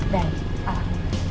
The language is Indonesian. baik apa kabar